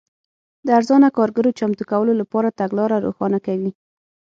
د ارزانه کارګرو چمتو کولو لپاره تګلاره روښانه کوي.